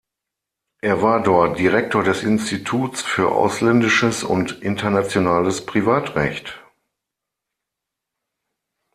Er war dort Direktor des Instituts für Ausländisches und Internationales Privatrecht.